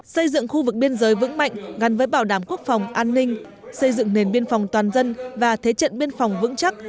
xây dựng khu vực biên giới vững mạnh gắn với bảo đảm quốc phòng an ninh xây dựng nền biên phòng toàn dân và thế trận biên phòng vững chắc